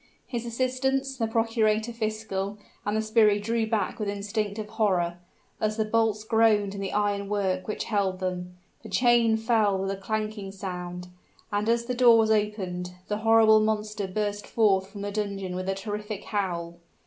His assistants, the procurator fiscal, and the sbirri drew back with instinctive horror, as the bolts groaned in the iron work which held them; the chain fell with a clanking sound; and as the door was opened, the horrible monster burst forth from the dungeon with a terrific howl.